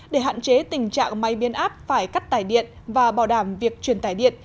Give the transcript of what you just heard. để hạn chế tình trạng máy biến áp phải cắt tải điện và bảo đảm việc truyền tải điện